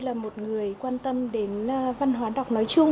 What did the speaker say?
là một người quan tâm đến văn hóa đọc nói chung